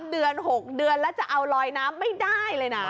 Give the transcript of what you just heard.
เดือน๖เดือนแล้วจะเอาลอยน้ำไม่ได้เลยนะ